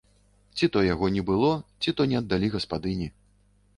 Ці то яго і не было, ці то не аддалі гаспадыні.